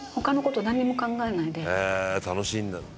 「へえ楽しいんだ」